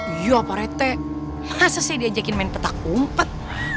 iya pak rete masa sih diajakin main petak umpet